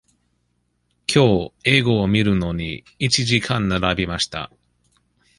きのう映画を見るのに、一時間並びました。